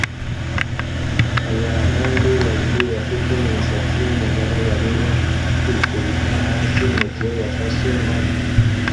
Abahungu babiri bafite imisatsi yumukara barimo kwikubita hasi mugihe bafashe marble